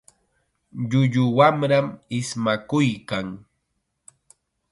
Llullu wamram ismakuykan.